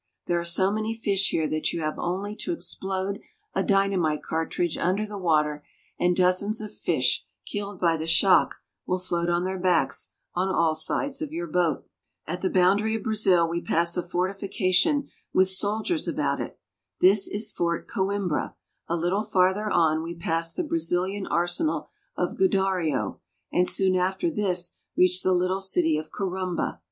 There are so many fish here that you have only to explode a dynamite cartridge under the water, and dozens of fish, killed by the shock, will float on their backs on all sides of your boat. Atthebound ary of Brazil we pass a fortifi cation with sol diers about it. This is Fort Co imbra; a little farther on we pass the Brazil ian arsenal of Godario, and soon after this reach the little city of Corumba'.